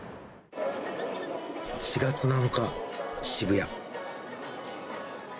４月７日、渋谷。